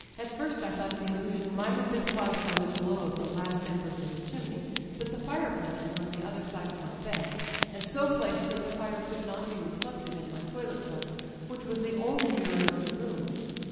At first I thought the illusion might have been caused by the glow of the last embers in the chimney; but the fireplace was on the other side of my bed, and so placed that the fire could not be reflected in my toilet glass, which was the only mirror in the room.